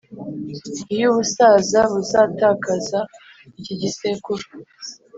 iyo ubusaza buzatakaza iki gisekuru,